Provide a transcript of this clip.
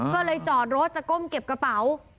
ก็เลยจอดรถจะก้มเก็บกระเป๋า